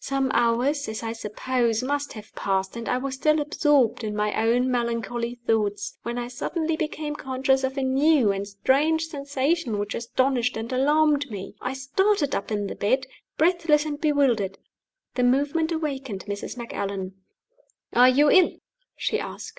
Some hours, as I suppose, must have passed, and I was still absorbed in my own melancholy thoughts, when I suddenly became conscious of a new and strange sensation which astonished and alarmed me. I started up in the bed, breathless and bewildered. The movement awakened Mrs. Macallan. "Are you ill?" she asked.